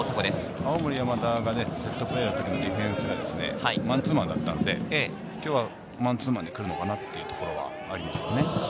青森山田がセットプレーのディフェンスがマンツーマンだったので、今日はマンツーマンでくるのかなというところがありますね。